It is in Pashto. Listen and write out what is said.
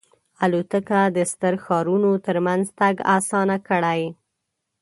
الوتکه د ستر ښارونو ترمنځ تګ آسان کړی.